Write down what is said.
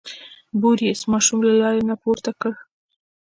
بوریس ماشوم له لارې نه پورته کړ.